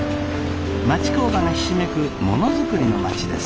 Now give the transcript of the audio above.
町工場がひしめくものづくりの町です。